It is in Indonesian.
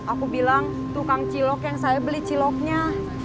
aku bilang tukang cilok yang saya beli ciloknya